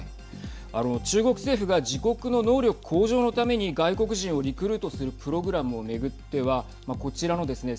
中国政府が自国の能力向上のために外国人をリクルートするプログラムを巡ってはこちらのですね